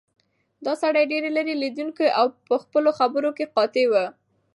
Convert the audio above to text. دا سړی ډېر لیرې لیدونکی او په خپلو خبرو کې قاطع و.